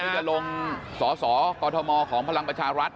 ตกลงสอสอกรธมของภารังประชารัฐ